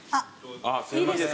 あっすいません。